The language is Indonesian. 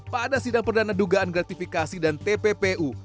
pada sidang perdana dugaan gratifikasi dan tppu